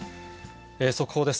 速報です。